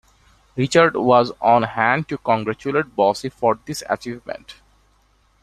Richard was on hand to congratulate Bossy for this achievement.